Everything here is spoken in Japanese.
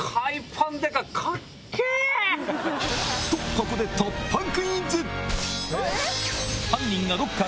ここで突破クイズ！